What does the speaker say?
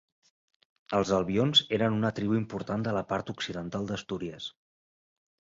Els albions eren una tribu important de la part occidental d'Astúries.